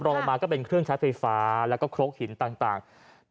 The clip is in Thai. รอมาก็เป็นเครื่องใช้ไฟฟ้าแล้วก็โครกหินต่าง